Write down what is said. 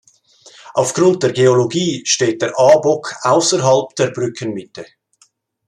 Aufgrund der Geologie steht der A-Bock außerhalb der Brückenmitte.